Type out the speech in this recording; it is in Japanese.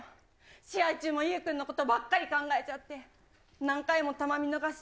試合中もゆう君のことばっかり考えちゃって、何回も球を見逃すし、